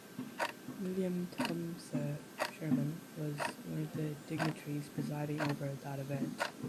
William Tecumseh Sherman was one of the dignitaries presiding over that event.